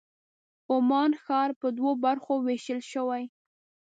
عمان ښار په دوو برخو وېشل شوی.